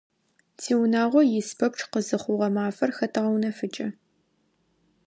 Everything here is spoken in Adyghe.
Тиунагъо ис пэпчъ къызыхъугъэ мафэр хэтэгъэунэфыкӀы.